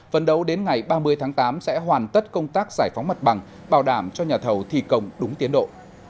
phần đầu đến ngày ba mươi tháng tám sẽ hoàn tất công tác giải phóng mặt bằng bảo đảm cho nhà thầu thi công đúng tiến độ